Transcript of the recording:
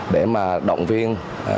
để mà động viên